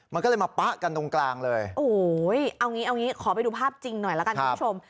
มันก็เลยมาปะกันตรงกลางเลยโอ้โหเอางี้เอางี้ขอไปดูภาพจริงหน่อยละกันคุณผู้ชม